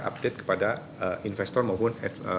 update kepada investor maupun